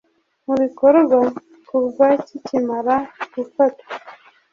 mu bikorwa kuva kikimara gufatwa